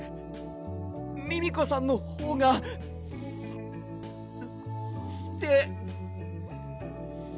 ミミコさんのほうがすすてす。